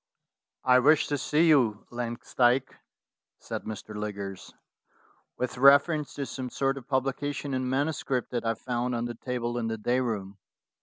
"I wish to see you, Langsdyke," said Mr. Liggers, "with reference to some sort of publication in manu script that I found on the table in the day room.